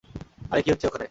আরে, কী হচ্ছে ওখানে?